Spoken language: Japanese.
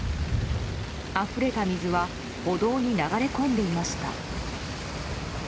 あふれた水は歩道に流れ込んでいました。